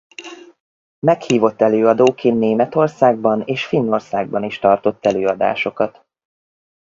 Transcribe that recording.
Meghívott előadóként Németországban és Finnországban is tartott előadásokat.